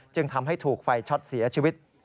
จึงทำให้ถูกไฟช็อตเสียชีวิต